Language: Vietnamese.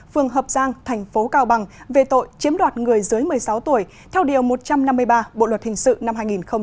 phường hợp giang thành phố cao bằng về tội chiếm đoạt người dưới một mươi sáu tuổi theo điều một trăm năm mươi ba bộ luật hình sự năm hai nghìn một mươi năm